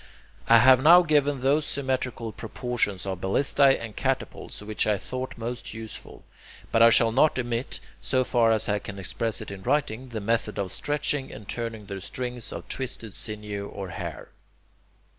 I have now given those symmetrical proportions of ballistae and catapults which I thought most useful. But I shall not omit, so far as I can express it in writing, the method of stretching and tuning their strings of twisted sinew or hair.